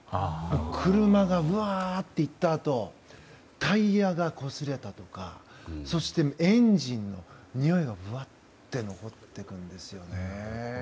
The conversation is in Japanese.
車がうわーって行ったあとタイヤがこすれたりとかそして、エンジンのにおいがぶわって残ってくるんですね。